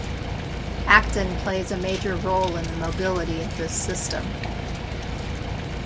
Actin plays a major role in the mobility of this system.